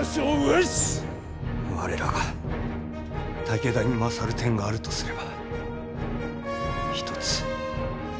我らが武田に勝る点があるとすれば一つ。